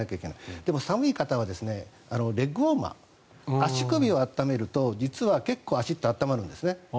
でも寒い方はレッグウォーマー足首を温めると実は足って温まるんです。